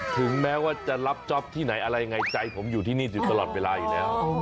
ถึงแม้ว่าจะรับจ๊อปที่ไหนอะไรยังไงใจผมอยู่ที่นี่อยู่ตลอดเวลาอยู่แล้ว